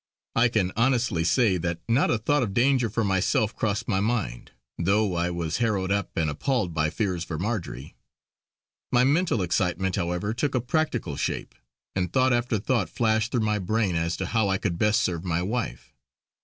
I can honestly say that not a thought of danger for myself crossed my mind; though I was harrowed up and appalled by fears for Marjory. My mental excitement, however, took a practical shape, and thought after thought flashed through my brain as to how I could best serve my wife.